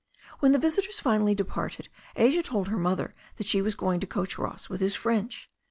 When the visitors finally departed Asia told her mother that she was going to coach Ross with his French.